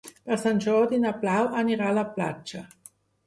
Per Sant Jordi na Blau anirà a la platja.